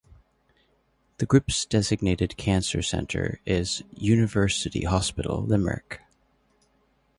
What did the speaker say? The Group’s designated cancer centre is University Hospital Limerick.